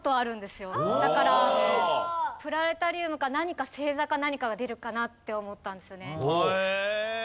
だからプラネタリウムか何か星座か何かが出るかなって思ったんですよね。